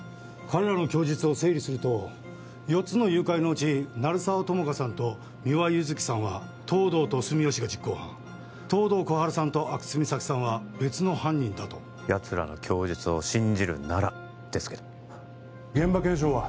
彼らの供述を整理すると四つの誘拐のうち鳴沢友果さんと三輪優月さんは東堂と住吉が実行犯東堂心春さんと阿久津実咲さんは別の犯人だとやつらの供述を信じるならですけど現場検証は？